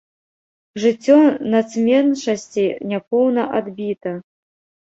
Жыццё нацменшасцей няпоўна адбіта.